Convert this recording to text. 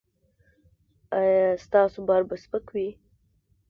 ایا ستاسو بار به سپک وي؟